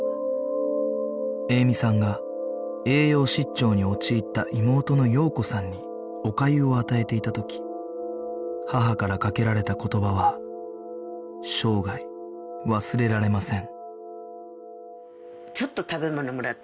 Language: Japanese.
栄美さんが栄養失調に陥った妹の洋子さんにおかゆを与えていた時母からかけられた言葉は生涯忘れられません